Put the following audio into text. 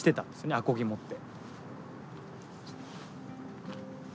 アコギ持って。